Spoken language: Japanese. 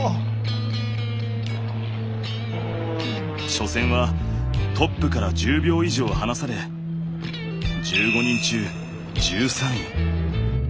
初戦はトップから１０秒以上離され１５人中１３位。